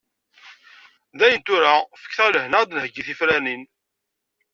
Dayen tura, fket-aɣ lehna ad d-nheyyi tifranin.